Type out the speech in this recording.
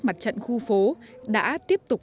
mặt trận khu phố đã tiếp tục